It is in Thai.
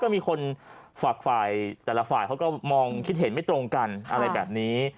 มีคนฝากฝ่ายแต่ละฝ่ายเขาก็มองคิดเห็นไม่ตรงกันอะไรแบบนี้